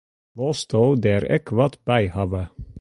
Wolsto der ek wat by hawwe?